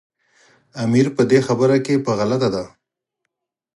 امیر په دې خبره کې په غلطه دی.